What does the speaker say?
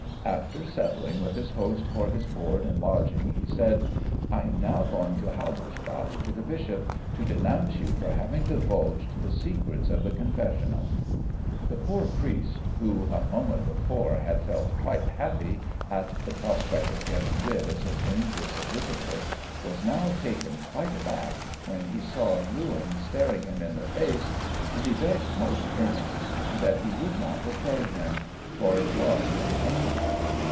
After settling with his host for his board and lodging, he said, "I am now going to Halberstadt to the Bishop, to denounce you for having divulged the secrets of the confessional." The poor Priest, who a moment before had felt quite happy at the prospect of getting rid of so dangerous a visiter, was now taken quite aback, when he saw ruin staring him in the face, and he begged most earnestly that he would not betray him, for it was in anger.